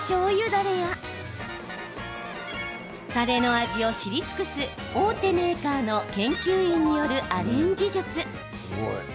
だれやたれの味を知り尽くす大手メーカーの研究員によるアレンジ術。